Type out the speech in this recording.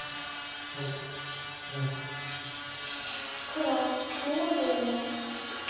黒２の十二。